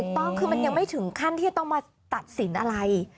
ถูกต้องคือมันยังไม่ถึงขั้นที่จะต้องมาตัดสินอะไร